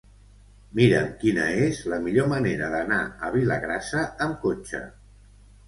Mira'm quina és la millor manera d'anar a Vilagrassa amb cotxe.